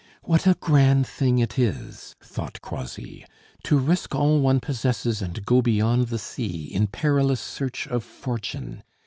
"What a grand thing it is," thought Croisilles, "to risk all one possesses and go beyond the sea, in perilous search of fortune!